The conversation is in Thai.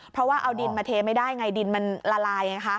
เพราะว่าเอาดินมาเทไม่ได้ไงดินมันละลายไงคะ